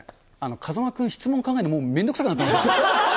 風間君、質問考えるの、もう面倒くさくなってますよ。